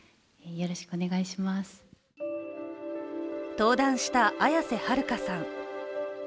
登壇した綾瀬はるかさん。